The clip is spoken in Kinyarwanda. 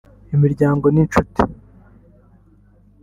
Imiryango n’inshuti